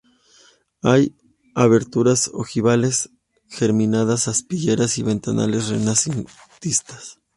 Hay aberturas ojivales geminadas, aspilleras y ventanales renacentistas.